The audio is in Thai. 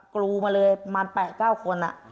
กลูมาเลยมา๘๙คน